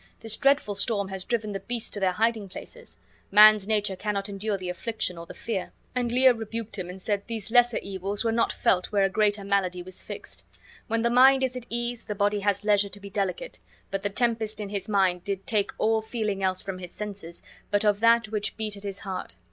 This dreadful storm has driven the beasts to their hiding places. Man's nature cannot endure the affliction or the fear." And Lear rebuked him and said these lesser evils were not felt where a greater malady was fixed. When the mind is at ease the body has leisure to be delicate, but the tempest in his mind did take all feeling else from his senses but of that which beat at his heart.